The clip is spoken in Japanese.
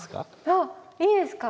あっいいですか？